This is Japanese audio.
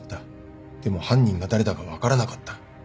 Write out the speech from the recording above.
でも犯人が誰だか分からなかった。